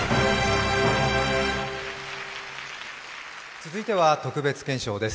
続いては特別顕彰です。